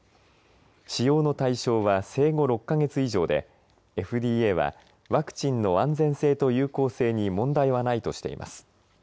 使用の対象は生後６か月以上でＦＤＡはワクチンの安全性と有効性に問題はないとしています。